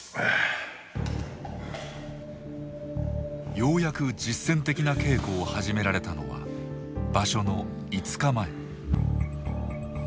ようやく実戦的な稽古を始められたのは場所の５日前。